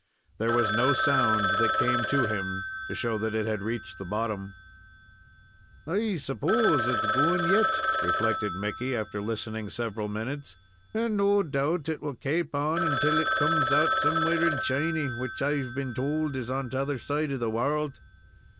There was no sound that came to him to show that it had reached the bottom. "I s'pose it's going yet," reflected Mickey, after listening several minutes, "and no doubt it will kaap on till it comes out somewhere in Chiny, which I've been told is on t'other side of the world.